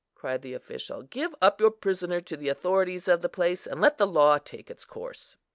cried the official. "Give up your prisoner to the authorities of the place, and let the law take its course."